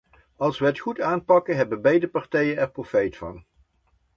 Als we het goed aanpakken, hebben beide partijen er profijt van.